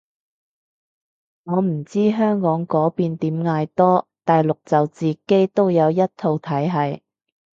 我唔知香港嗰邊點嗌多，大陸就自己都有一套體係